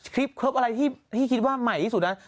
คลิปเคิร์ฟอะไรที่คิดว่าใหม่ที่สุดนะ